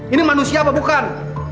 ini manusia apa bukan